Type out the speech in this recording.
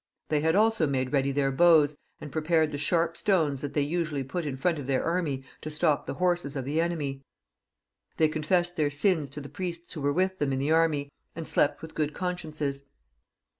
They had also made ready their bows, and prepared the sharp stones that they usually put in front of their army to stop the horses of the enemy ; they confessed their sins to the priests who were with them in the army, and slept with good consciences.